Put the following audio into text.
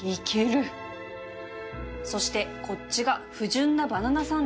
そしてこっちが不純なババナサンデー